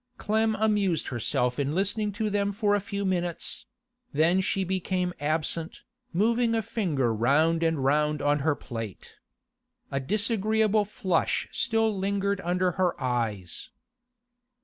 Clem amused herself in listening to them for a few minutes; then she became absent, moving a finger round and round on her plate. A disagreeable flush still lingered under her eyes.